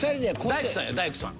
大工さんよ大工さん。